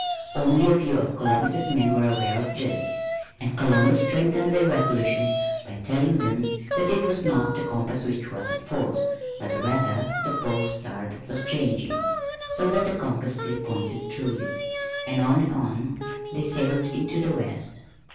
Only a few of Columbus' men were aware of this, and Columbus strengthened their resolution by telling them that it was not the compass which was at fault, but rather the Pole Star that was changing, so that the compass still pointed truly and on and on they sailed into the west.